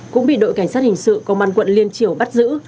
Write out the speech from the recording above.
cũng bị đội cảnh sát hình sự công an quận liên triều bắt giữ